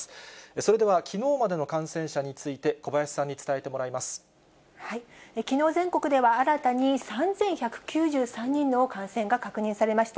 それでは、きのうまでの感染者について、きのう全国では、新たに３１９３人の感染が確認されました。